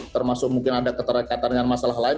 termasuk mungkin ada keterekatan dengan masalah lain